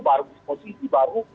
baru posisi baru